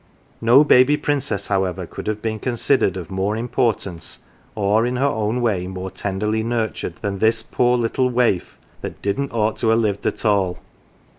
No baby princess, however, could have been considered of more importance, or in her own way more tenderly nurtured than this poor little waif that " didn't ought to ha' lived at all."